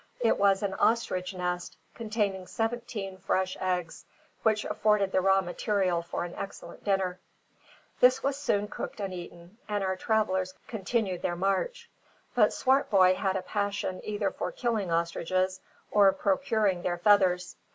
It was an ostrich nest, containing seventeen fresh eggs, which afforded the raw material for an excellent dinner. This was soon cooked and eaten; and our travellers continued their march. But Swartboy had a passion either for killing ostriches, or procuring their feathers.